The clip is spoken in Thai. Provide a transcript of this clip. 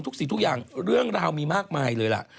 สิ่งทุกอย่างเรื่องราวมีมากมายเลยล่ะ